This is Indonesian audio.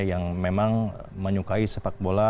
yang memang menyukai sepak bola